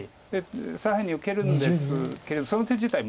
左辺に受けるんですけれどその手自体